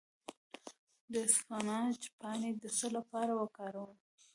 د اسفناج پاڼې د څه لپاره وکاروم؟